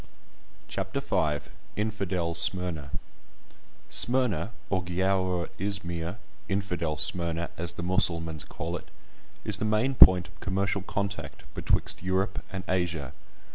CHAPTER V—INFIDEL SMYRNA Smyrna, or Giaour Izmir, "Infidel Smyrna," as the Mussulmans call it, is the main point of commercial contact betwixt Europe and Asia.